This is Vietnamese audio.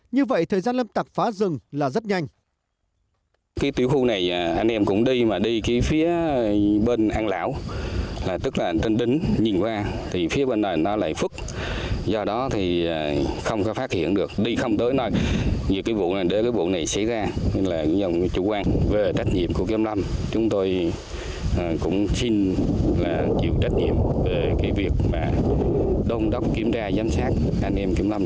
như vậy thời gian lâm tạc phá rừng là rất nhanh